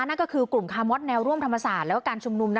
นั่นก็คือกลุ่มคามอดแนวร่วมธรรมศาสตร์แล้วกับการชุมนุมนะคะ